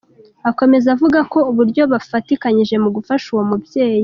Akomeza avuga uburyo bafatikanyije mu gufasha uwo mubyeyi.